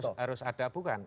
itu harus ada bukan